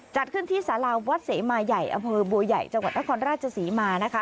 จัดขึ้นที่สาราวัดเสมาใหญ่อำเภอบัวใหญ่จังหวัดนครราชศรีมานะคะ